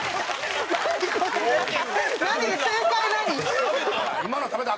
正解何？